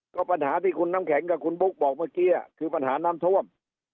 ก็ปัญหาที่คุณน้ำแข็งกับคุณบุ๊คบอกเมื่อกี้คือปัญหาน้ำท่วม